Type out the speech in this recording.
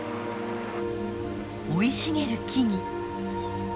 生い茂る木々。